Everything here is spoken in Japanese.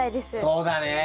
そうだね。